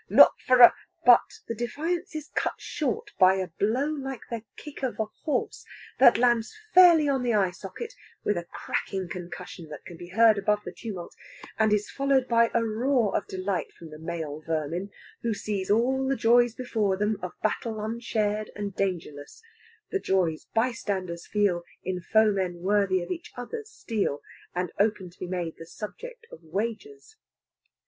Not for a...." But the defiance is cut short by a blow like the kick of a horse, that lands fairly on the eye socket with a cracking concussion that can be heard above the tumult, and is followed by a roar of delight from the male vermin, who see all the joys before them of battle unshared and dangerless the joys bystanders feel in foemen worthy of each other's steel, and open to be made the subject of wagers.